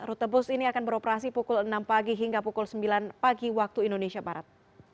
rute bus ini akan beroperasi pukul enam pagi hingga pukul sembilan pagi waktu indonesia barat